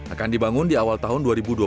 akan dibangun di awal tahun dua ribu dua puluh